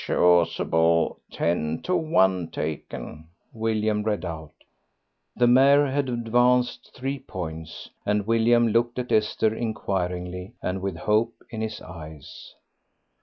"Chasuble, ten to one taken," William read out. The mare had advanced three points, and William looked at Esther inquiringly, and with hope in his eyes.